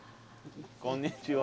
こんにちは。